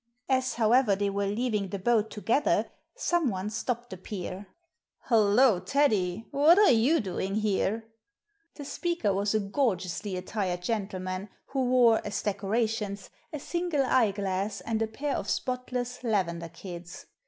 As, however, they were leaving the boat together someone stopped the peer. " Hollo, Teddy ! What are you doing here ?" The speaker was a gorgeously attired gentleman, who wore, as decorations, a single eyeglass and a pair of spotless " lavender kids."